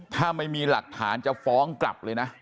ถ้าไม่มีหลักฐานจะฟ้องกลับเลยนะ